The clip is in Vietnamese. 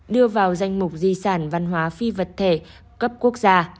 đưa vào danh mục di sản văn hóa phi vật thể cấp quốc gia